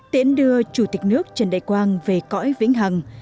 tiễn đưa chủ tịch nước trần đại quang về cõi vĩnh hằng